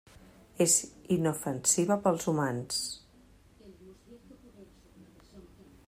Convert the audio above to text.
És inofensiva per als humans.